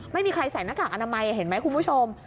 ไม่มีใครใส่หน้ากากอนามัยเห็นไหมคุณผู้ชม